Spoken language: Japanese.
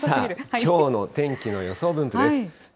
きょうの天気の予想分布です。